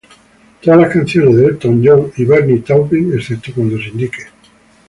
Todas las canciones de Elton John y Bernie Taupin, excepto cuando se indique.